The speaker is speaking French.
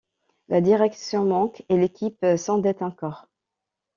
La direction manque et l'équipe s'endette encore.